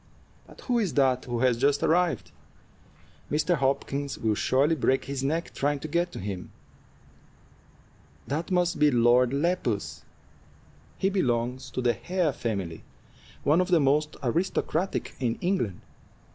But who is that who has just arrived? Mr. Hopkins will surely break his neck trying to get to him." "That must be Lord Lepus; he belongs to the Hare family, one of the most aristocratic in England.